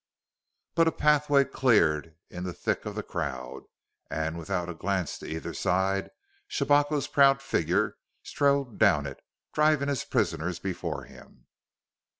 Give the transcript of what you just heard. But a pathway cleared in the thick of the crowd, and, without a glance to either side, Shabako's proud figure strode down it, driving his prisoners before him.